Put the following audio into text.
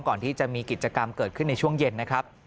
ก่อนที่จะมีกิจกรรมเกิดขึ้นในช่วงเย็นนะครับ